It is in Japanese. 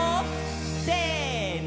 せの！